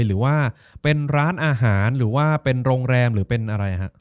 หรือว่าเป็นร้านอาหารหรือว่าเป็นโรงแรมหรือเป็นอะไรฮะ